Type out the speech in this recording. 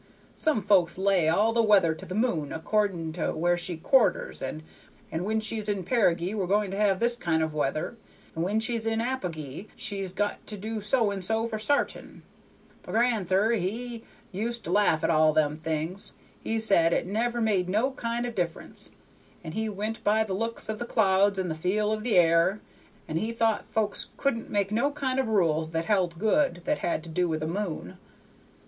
Some folks lay all the weather to the moon, accordin' to where she quarters, and when she's in perigee we're going to have this kind of weather, and when she's in apogee she's got to do so and so for sartain; but gran'ther he used to laugh at all them things. He said it never made no kind of difference, and he went by the looks of the clouds and the feel of the air, and he thought folks couldn't make no kind of rules that held good, that had to do with the moon.